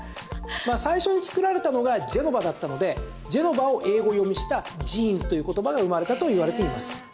最初に作られたのがジェノバだったのでジェノバを英語読みしたジーンズという言葉が生まれたといわれています。